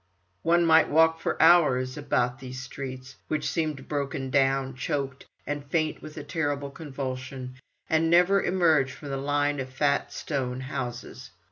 One might walk for hours about these streets, which seemed broken down, choked, and faint with a terrible convulsion, and never emerge from the line of fat stone houses.